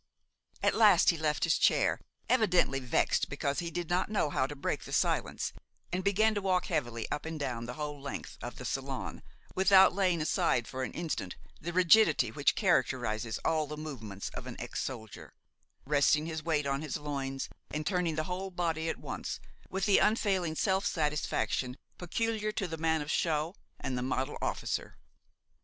At last he left his chair, evidently vexed because he did not know how to break the silence, and began to walk heavily up and down the whole length of the salon, without laying aside for an instant the rigidity which characterizes all the movements of an ex soldier, resting his weight on his loins and turning the whole body at once, with the unfailing self satisfaction peculiar to the man of show and the model officer.